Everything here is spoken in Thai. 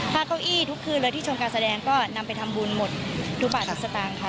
ถ้าเก้าอี้ทุกคืนเลยที่ชมการแสดงก็นำไปทำบุญหมดทุกบาททุกสตางค์ค่ะ